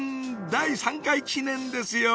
第３回記念ですよ